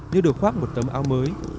như được khoác một tấm áo mới